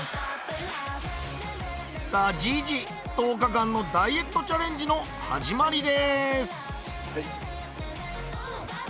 さあじいじ１０日間のダイエットチャレンジの始まりです！